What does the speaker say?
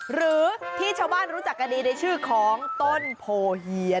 หรือที่ชาวบ้านรู้จักกันดีในชื่อของต้นโพเฮีย